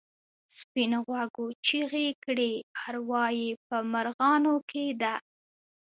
سپین غوږو چیغې کړې اروا یې په مرغانو کې ده.